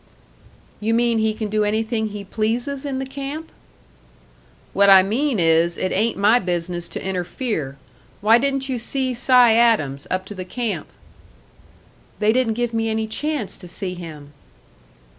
"You mean he can do anything he pleases in the camp?" "What I mean is, it ain't my business to interfere. Why didn't you see Si Adams, up to the camp?" "They didn't give me any chance to see him."